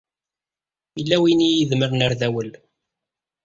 Yella win i yi-idemren ar dawel.